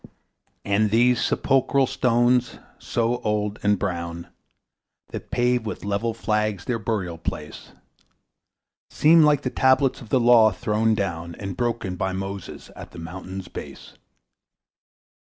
And these sepulchral stones, so old and brown, That pave with level flags their burial place, Seem like the tablets of the Law, thrown down And broken by Moses at the mountain's base.